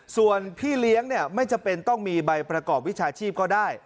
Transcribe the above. ส่วนพี่เลี้ยงไม่จำเป็นต้องมีใบประกอบวิชาชีพก็ได้